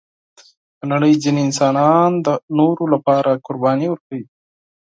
د نړۍ ځینې انسانان د نورو لپاره قرباني ورکوي.